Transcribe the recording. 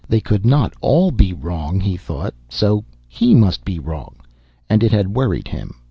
They could not all be wrong, he thought, so he must be wrong and it had worried him.